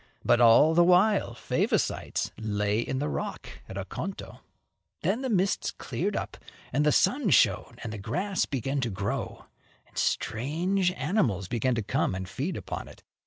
But all the while Favosites lay in the rock at Oconto. Then the mists cleared up and the sun shone and the grass began to grow, and strange animals began to come and feed upon it.